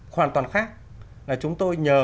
hoàn toàn khác là chúng tôi nhờ